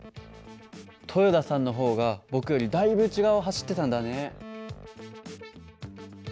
豊田さんの方が僕よりだいぶ内側を走ってたんだね。